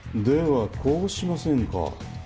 ではこうしませんか？